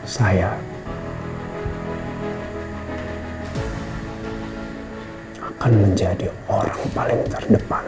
saya akan menjadi orang paling terdepan